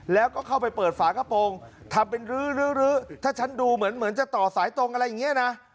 แล้วก็เข้าไปเปิดฝากระโปรงทำเป็นรื้อถ้าฉันดูเหมือนจะต่อสายตรงอะไรอย่างนี้นะ